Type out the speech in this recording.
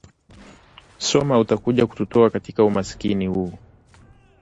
soma utakuja kututoa katika umaskini huu